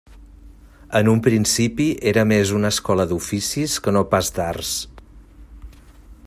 En un principi era més una escola d'oficis que no pas d'arts.